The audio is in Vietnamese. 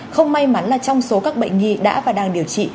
không may mắn là trong số các bệnh nhi đã và đang điều trị